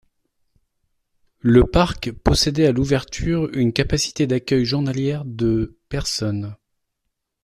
Le parc possédait à l'ouverture une capacité d'accueil journalière de personnes.